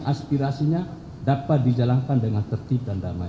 aspirasinya dapat dijalankan dengan tertib dan damai